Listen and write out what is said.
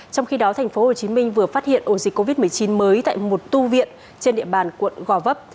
trong khi đó tp hcm vừa phát hiện ổ dịch covid một mươi chín mới tại một tu viện trên địa bàn quận gò vấp